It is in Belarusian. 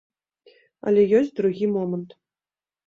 Але ёсць другі момант.